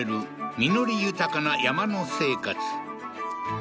実り豊かな山の生活